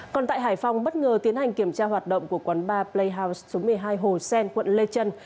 còn tại hải phòng bất ngờ tiến hành kiểm tra hoạt động của quán bar playo số một mươi hai hồ sen quận lê trân